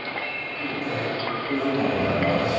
一体なんの事だか私には。